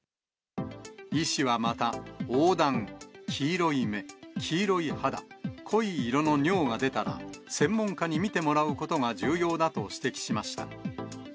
医師はまた、おうだん、黄色い目、黄色い肌、濃い色の尿が出たら、専門家に診てもらうことが重要だと指摘しました。